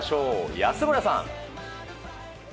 安村さん。